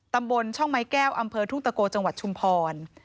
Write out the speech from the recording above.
ตำบลช่องไม้แก้วอำเภอทุ่งตะโกจังหวัดชุมพร